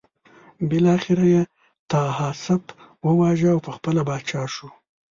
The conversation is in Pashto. بالاخره یې طاهاسپ وواژه او پخپله پاچا شو.